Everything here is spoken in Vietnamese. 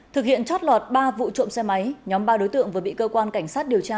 thực hiện trót lọt ba vụ trộm xe máy nhóm ba đối tượng vừa bị cơ quan cảnh sát điều tra